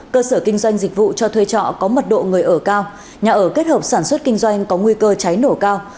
cơ sở kinh doanh dịch vụ cho thuê trọ có mật độ người ở cao nhà ở kết hợp sản xuất kinh doanh có nguy cơ cháy nổ cao